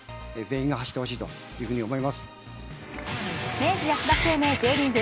明治安田生命Ｊリーグ。